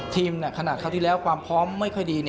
ขนาดคราวที่แล้วความพร้อมไม่ค่อยดี